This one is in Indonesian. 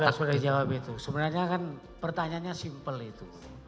sudah sudah jawab itu sebenarnya kan pertanyaannya simpel itu